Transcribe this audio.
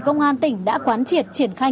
công an tỉnh đã quán triệt triển khai